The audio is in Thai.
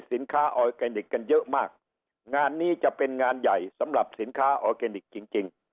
ออร์แกนิคกันเยอะมากงานนี้จะเป็นงานใหญ่สำหรับสินค้าออร์แกนิคจริงจริง